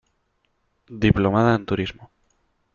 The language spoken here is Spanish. Diplomada en Turismo.